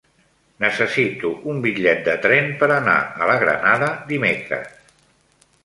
Necessito un bitllet de tren per anar a la Granada dimecres.